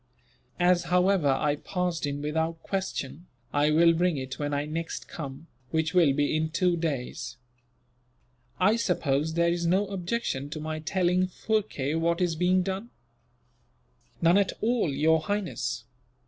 As, however, I passed in without question, I will bring it when I next come, which will be in two days." "I suppose there is no objection to my telling Phurkay what is being done?" "None at all, Your Highness.